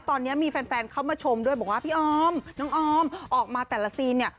ตอนนี้มีแฟนเข้ามาชมด้วยบอกว่าพี่ออมน้องออมออกมาแต่ละซีนเนี่ย